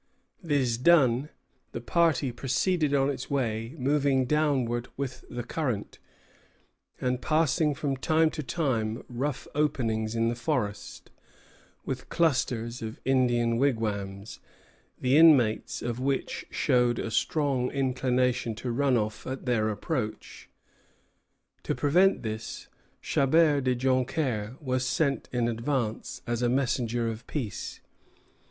This done, the party proceeded on its way, moving downward with the current, and passing from time to time rough openings in the forest, with clusters of Indian wigwams, the inmates of which showed a strong inclination to run off at their approach. To prevent this, Chabert de Joncaire was sent in advance, as a messenger of peace.